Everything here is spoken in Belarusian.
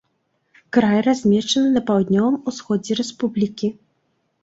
Край размешчаны на паўднёвым усходзе рэспублікі.